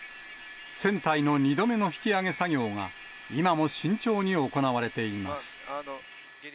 船体の２度目の引き揚げ作業が、今も慎重に行われています。